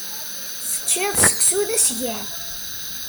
Teččiḍ seksu d asgal.